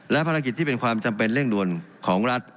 และภารกิจที่เป็นความจำเป็นเร่งด่วนของรัฐ